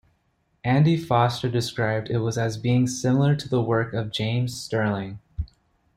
Andy Foster described it as being similar to the work of James Stirling.